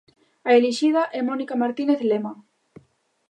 A elixida é Mónica Martínez Lema.